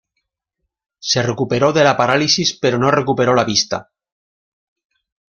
Se recuperó de la parálisis, pero no recuperó la vista.